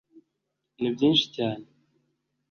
ni byinshi cyane